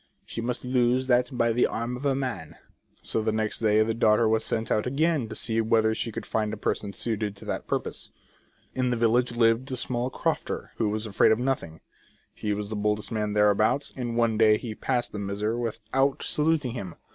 She must lose that by the arm of a man." So the next day the daughter was sent out again to see whether she could find a person suited to that purpose. In the village lived a small crofter, who was afraid of nothing ; he was the boldest man thereabouts ; and one day he passed the miser without saluting him.